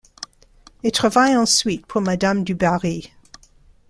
Et travaille ensuite pour madame du Barry.